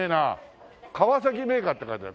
「川崎銘菓」って書いてある。